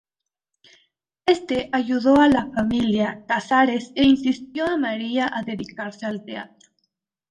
Éste ayudó a la familia Casares e incitó a María a dedicarse al teatro.